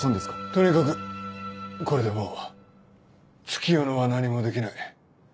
とにかくこれでもう月夜野は何もできない。